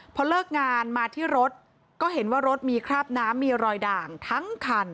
พอเลิกงานมาที่รถก็เห็นว่ารถมีคราบน้ำมีรอยด่างทั้งคัน